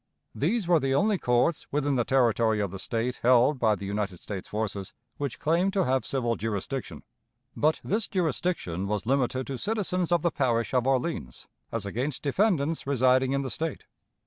These were the only courts within the territory of the State held by the United States forces which claimed to have civil jurisdiction. But this jurisdiction was limited to citizens of the parish of Orleans as against defendants residing in the State.